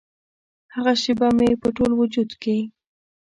هغه شیبه مې په ټول وجود کې